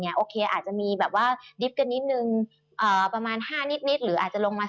อาจจะมีดริฟต์กันนิดนึงประมาณ๕นิดหรืออาจจะลงมา๔